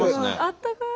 あったかい。